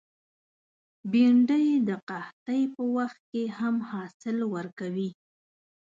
بېنډۍ د قحطۍ په وخت کې هم حاصل ورکوي